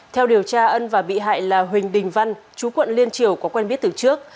theo điều tra ân và bị hại là huỳnh đình văn chú quận liên triều có quen biết từ trước